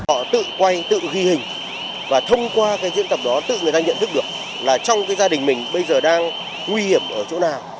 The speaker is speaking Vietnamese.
họ tự quay tự ghi hình và thông qua cái diễn tập đó tự người ta nhận thức được là trong gia đình mình bây giờ đang nguy hiểm ở chỗ nào